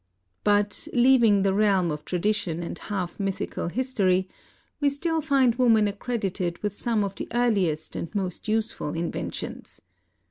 But, leaving the realm of tradition and half mythical history, we still find woman accredited with some of the earliest and most useful inventions.